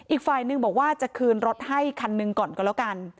อีกฝ่ายหนึ่งบอกว่าจะคืนรถให้คันหนึ่งก่อนก็แล้วกัน